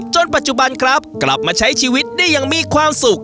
ปัจจุบันครับกลับมาใช้ชีวิตได้อย่างมีความสุข